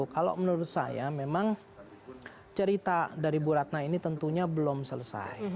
kalau menurut saya memang cerita dari bu ratna ini tentunya belum selesai